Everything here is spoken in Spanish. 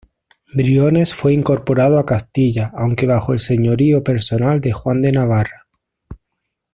Briones fue incorporado a Castilla aunque bajo el señorío personal de Juan de Navarra.